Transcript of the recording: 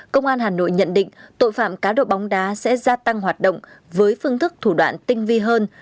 công an hà nội nhận định tội phạm cá độ bóng đá sẽ gia tăng hoạt động với phương thức thủ đoạn tinh vi hơn